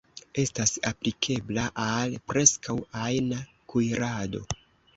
Estas aplikebla al preskaŭ ajna kuirado.